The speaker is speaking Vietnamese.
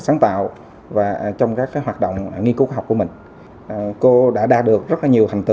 sáng tạo và trong các cái hoạt động nghiên cứu học của mình cô đã đạt được rất là nhiều hành